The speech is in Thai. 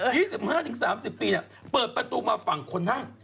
๒๕๓๐ปีเนี่ยเปิดประตูมาฝั่งคนนั่ง